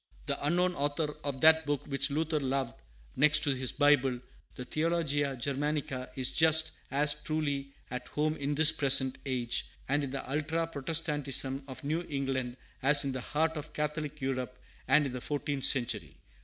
The unknown author of that book which Luther loved next to his Bible, the Theologia Germanica, is just as truly at home in this present age, and in the ultra Protestantism of New England, as in the heart of Catholic Europe, and in the fourteenth century.